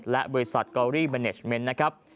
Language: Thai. และบริษัทกอรี่เมเนชเมนต์นะครับ